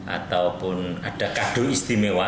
ataupun ada kado istimewa